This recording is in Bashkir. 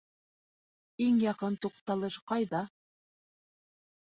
Иң яҡын туҡталыш ҡайҙа?